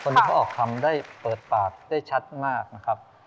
ก่อนที่ให้ออกคำได้เปิดปากได้ชัดมาก